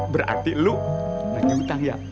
berarti lu ngontrak ya